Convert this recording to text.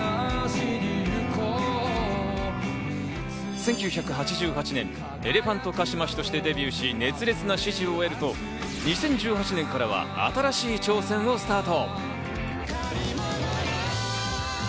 １９８８年、エレファントカシマシとしてデビューし、熱烈な支持を得ると、２０１８年からは新しい挑戦をスタート。